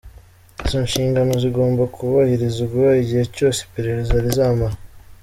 Izo nshingano zigomba kubahirizwa igihe cyose iperereza rizamara.